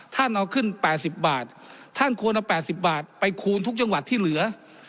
ท่านเอาขึ้น๘๐บาทท่านควรเอา๘๐บาทไปคูณทุกจังหวัดที่เหลือ